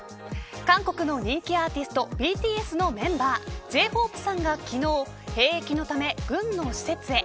韓国の人気アーティストＢＴＳのメンバーＪ−ＨＯＰＥさんが昨日、兵役のため軍の施設へ。